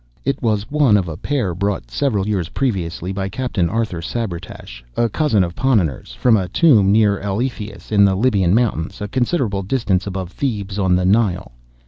It was one of a pair brought, several years previously, by Captain Arthur Sabretash, a cousin of Ponnonner's from a tomb near Eleithias, in the Lybian mountains, a considerable distance above Thebes on the Nile.